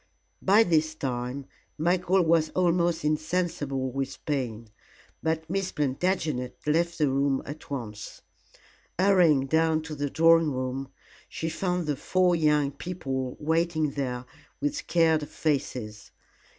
By this time Michael was almost insensible with pain, but Miss Plantagenet left the room at once. Hurrying down to the drawing room, she found the four young people waiting there with scared faces.